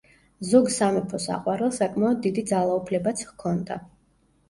ზოგ სამეფო საყვარელს საკმაოდ დიდი ძალაუფლებაც ჰქონდა.